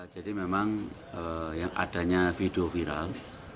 jadi memang yang adanya video viral